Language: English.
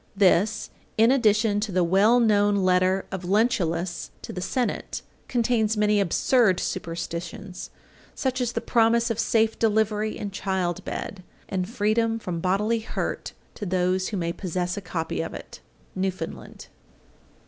This, in addition to the well known letter of Lentulus to the Senate, contains many absurd superstitions, such as the promise of safe delivery in child bed, and freedom from bodily hurt to those who may possess a copy of it. _Newfoundland.